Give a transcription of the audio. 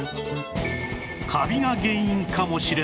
カビが原因かもしれない